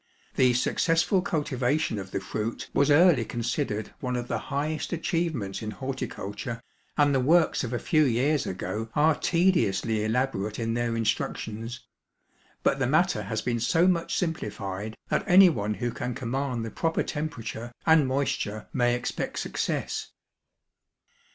The successful cultivation of the fruit was early considered one of the highest achievements in horticulture, and the works of a few years ago are tediously elaborate in their instructions; but the matter has been so much simplified that anyone who can command the proper temperature and moisture may expect success.